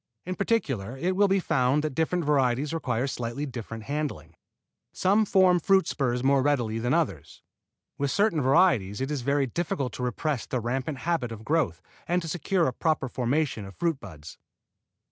In particular it will be found that different varieties require slightly different handling. Some form fruit spurs more readily than others. With certain varieties it is very difficult to repress the rampant habit of growth and to secure a proper formation of fruit buds.